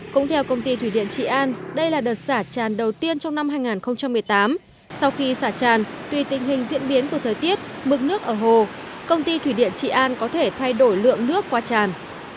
cũng theo công ty thủy điện trị an đây là đợt xả tràn đầu tiên trong năm hai nghìn một mươi tám sau khi xả tràn tuy tình hình diễn biến của thời tiết mức nước ở hồ công ty thủy điện trị an có thể thay đổi lượng nước qua tràn